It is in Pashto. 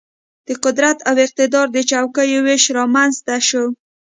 د قدرت او اقتدار د چوکیو وېش رامېنځته شو.